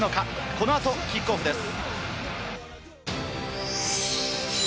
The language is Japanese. このあとキックオフです。